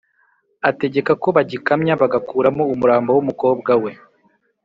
ategeka ko bagikamya bagakuramo umurambo w umukobwa we